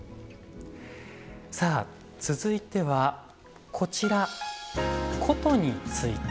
さあ続いてはこちら箏について。